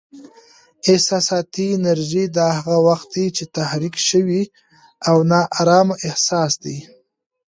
احساساتي انرژي: دا هغه وخت دی چې تحریک شوی او نا ارامه احساس دی.